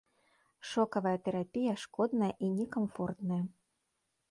Шокавая тэрапія шкодная і некамфортная.